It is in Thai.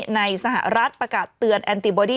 ในสหรัฐประกาศเตือนแอนติบอดี้